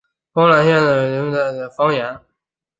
岚县话指的是通行于山西省岚县境内的晋语方言。